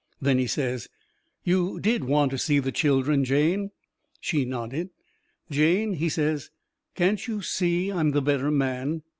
Then he says: "You DID want to see the children, Jane?" She nodded. "Jane," he says, "can't you see I'm the better man?"